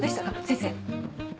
先生。